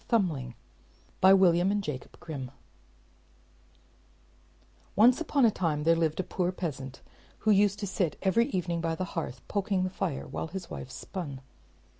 THUMBLING By William and Jacob Grimm Once upon a time there lived a poor peasant, who used to sit every evening by the hearth, poking the fire, while his wife spun.